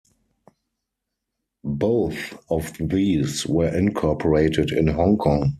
Both of these were incorporated in Hong Kong.